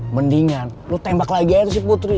mendingan lu tembak lagi aja si putri